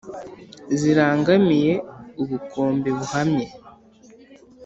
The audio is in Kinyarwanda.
Zirangamiye ubukombe buhamye.